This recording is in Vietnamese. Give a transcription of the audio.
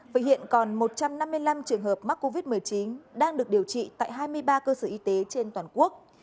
và hiện còn một trăm năm mươi năm trường hợp mắc covid một mươi chín đang được điều trị tại hai mươi ba cơ sở y tế trên toàn quốc